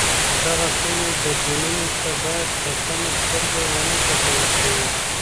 دغو ټولو بدلونونو ته باید په کمه سترګه ونه کتل شي.